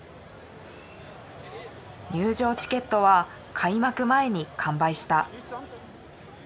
入場チケットは開幕前に完売した。